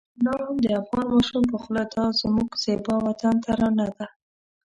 لا هم د افغان ماشوم په خوله د دا زموږ زېبا وطن ترانه ده.